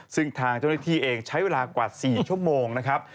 ซึ่งทางเจ้าหน้าที่เองใช้เวลากว่า๔ชั่วโมงนะครับ